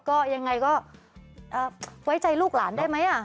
ก็ยังไงก็ไว้ใจลูกหลานได้ไหม